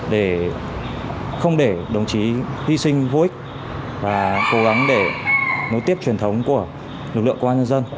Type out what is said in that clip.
để không để đồng chí hy sinh vô ích và cố gắng để nối tiếp truyền thống của lực lượng công an nhân dân